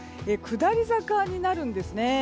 下り坂になるんですね。